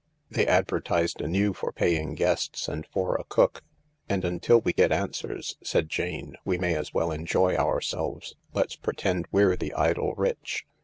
They advertised anew for paying guests and for a cook. " And until we get answers," said Jane, 11 we may as well enjoy ourselves. Let's pretend we're the idle rich."